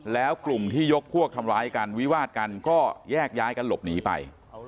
แล้วกลุ่มที่ยกพวกทำร้ายกันวิวาดกันก็แยกย้ายกันหลบหนีไป